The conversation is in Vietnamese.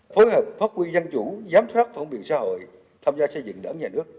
phối hợp phát quyền dân chủ giám thoát phong biện xã hội tham gia xây dựng đảng nhà nước